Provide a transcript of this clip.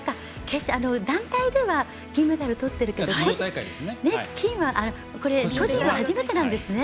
団体では銀メダルとっているけど、金は個人は初めてなんですね。